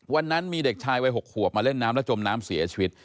วันนั้นมีเด็กชายวัย๖ขวบมาเล่นน้ำแล้วจมน้ำเสียชีวิต